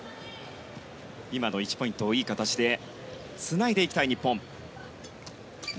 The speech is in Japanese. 今の１ポイントをいい形でつないでいきたい日本。